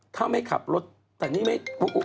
ถ้าไม่ขับรถแต่นี่ไม่